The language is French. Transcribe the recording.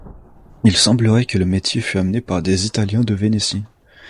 Il semblerait que le métier fut amené par des italiens de Vénétie.